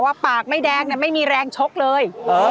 ปากไม่แดงไม่มีแรงชกเลย